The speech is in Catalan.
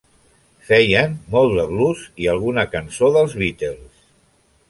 Feien molt de blues i alguna cançó dels Beatles.